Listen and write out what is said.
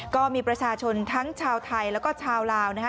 ก็มีประชาชนทั้งชาวไทยแล้วก็ชาวลาวนะคะ